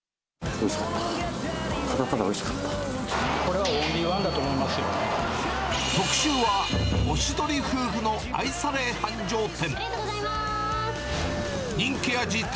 おいしかった、ただただおいこれはオンリーワンだと思い特集は、おしどり夫婦の愛され繁盛店。